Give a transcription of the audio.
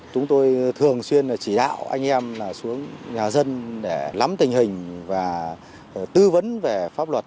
chúng tôi thường xuyên chỉ đạo anh em xuống nhà dân để lắm tình hình và tư vấn về pháp luật